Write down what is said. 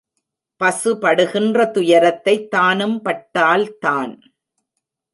பசு படுகின்ற துயரத்தைத் தானும் பட்டால்தான்.